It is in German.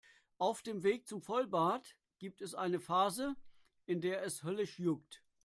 Auf dem Weg zum Vollbart gibt es eine Phase, in der es höllisch juckt.